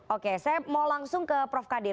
oke saya mau langsung ke prof kadir